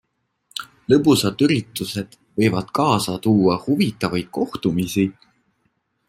Lõbusad üritused võivad kaasa tuua huvitavaid kohtumisi.